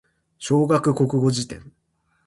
小学国語辞典